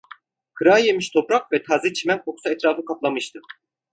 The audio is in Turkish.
Kırağı yemiş toprak ve taze çimen kokusu etrafı kaplamıştı.